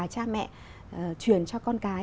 cha mẹ truyền cho con cái